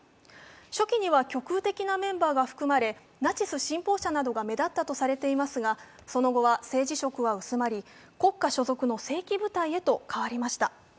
初期には極右的なメンバーが含まれナチス信奉者が目立ったとされましたがその後は政治色は薄まり、国家所属の国家所属の正規部隊へと変わりました。